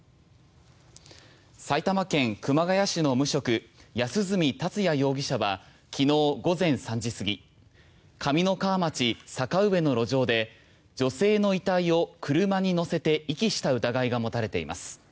埼玉県熊谷市の無職安栖達也容疑者は昨日午前３時過ぎ上三川町坂上の路上で女性の遺体を車に乗せて遺棄した疑いが持たれています。